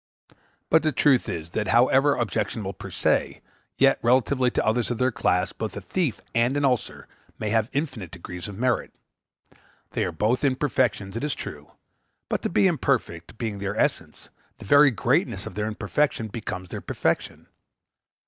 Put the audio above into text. But the truth is, that, however objectionable per se, yet, relatively to others of their class, both a thief and an ulcer may have infinite degrees of merit. They are both imperfections, it is true; but to be imperfect being their essence, the very greatness of their imperfection becomes their perfection.